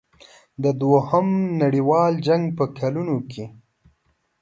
د دوهم نړیوال جنګ په کلونو کې.